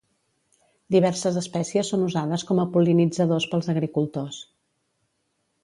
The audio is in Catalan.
Diverses espècies són usades com a pol·linitzadors pels agricultors.